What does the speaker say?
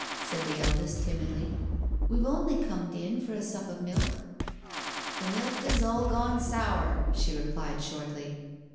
said the eldest timidly. "We've only corned in for a sup of milk." "The milk is all gone sour," she replied shortly.'